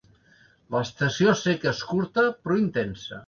L'estació seca és curta però intensa.